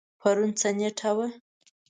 پرون څه نیټه وه؟